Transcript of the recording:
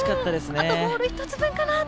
あとボール１つ分かなって。